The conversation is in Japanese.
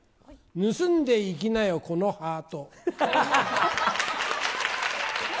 盗んでいきなよ、このハート。